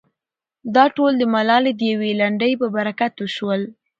دا ټول د ملالې د يوې لنډۍ په برکت وشول.